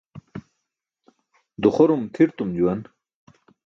Duxorum tʰirtum juwan.